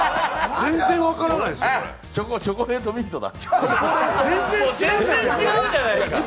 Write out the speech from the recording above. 全然分からないですよ、これチョコレートミントだ